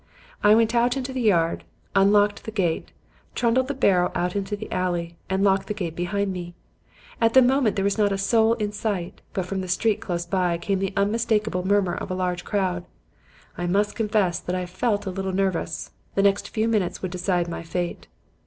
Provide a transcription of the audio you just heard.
"I went out into the yard, unlocked the gate, trundled the barrow out into the alley, and locked the gate behind me. At the moment there was not a soul in sight, but from the street close by came the unmistakable murmur of a large crowd. I must confess that I felt a little nervous. The next few minutes would decide my fate.